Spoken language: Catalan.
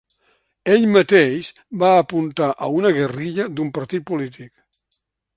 Ell mateix va apuntar a una ‘guerrilla’ d’un partit polític.